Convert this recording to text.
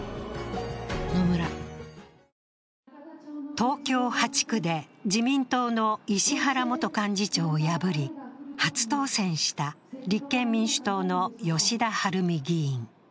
東京８区で自民党の石原元幹事長を破り初当選した立憲民主党の吉田晴美議員。